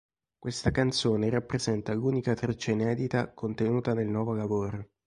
Questa canzone rappresenta l'unica traccia inedita contenuta nel nuovo lavoro.